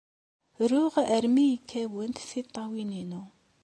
Ruɣ armi ay kkawent tiṭṭawin-inu.